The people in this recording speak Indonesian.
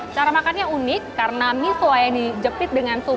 cara makannya unik karena misua yang dijepit dengan sumber